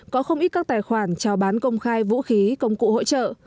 có không ít các tài khoản trao bán công khai vũ khí công cụ hỗ trợ